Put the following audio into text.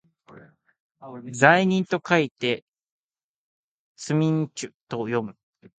罪人と書いてつみんちゅと読む